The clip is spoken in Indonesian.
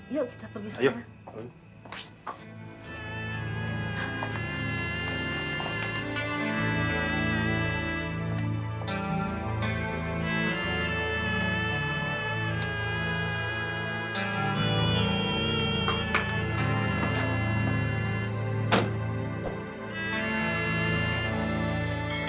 yuk kita pergi sekarang